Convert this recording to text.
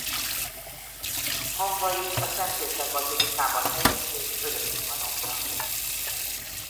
Hamvait a Szent Péter-bazilikában helyezték örök nyugalomra.